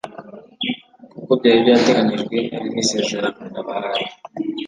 kuko byari byateganyijwe, ari n'isezerano nabahaye.